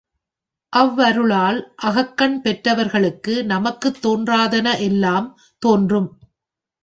அவ்வருளாளல் அகக்கண் பெற்றவர்களுக்கு நமக்குத் தோன்றாதன எல்லாம் தோன்றும்.